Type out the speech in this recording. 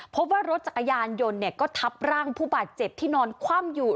พบว่ารถจักรยานยนต์ก็ทับร่างผู้บาดเจ็บที่นอนคว่ำอยู่